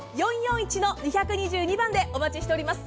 ０１２０‐４４１‐２２２番でお待ちしております。